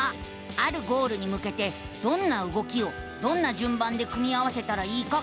あるゴールにむけてどんな動きをどんなじゅんばんで組み合わせたらいいか考える。